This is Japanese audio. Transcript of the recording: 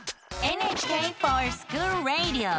「ＮＨＫｆｏｒＳｃｈｏｏｌＲａｄｉｏ」！